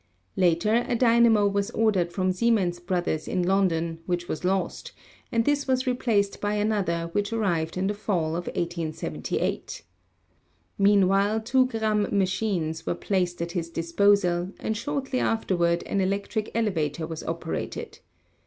Later a dynamo was ordered from Siemens Brothers in London which was lost, and this was replaced by another which arrived in the fall of 1878. Meanwhile two Gramme machines were placed at his disposal, and shortly after ward an electric elevator was operated.